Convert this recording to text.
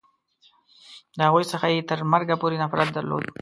د هغوی څخه یې تر مرګه پورې نفرت درلود.